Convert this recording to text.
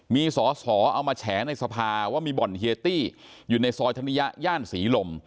มีสอสอเอามาแฉในสภาว่ามีบ่อนเฮียตี้อยู่ในซอยธนิยะย่านศรีลม